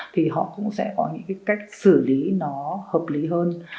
thì họ cũng sẽ có những cái cách xử lý nó hợp lý hơn